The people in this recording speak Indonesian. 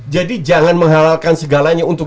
jadi jangan menghalalkan segalanya untuk